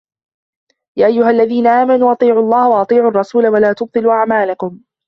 يا أَيُّهَا الَّذينَ آمَنوا أَطيعُوا اللَّهَ وَأَطيعُوا الرَّسولَ وَلا تُبطِلوا أَعمالَكُم